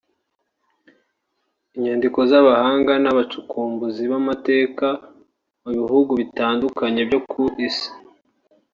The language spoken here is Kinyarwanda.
Inyandiko z’Abahanga n’abacukumbuzi b’amateka mu bihugu bitandukanye byo ku Isi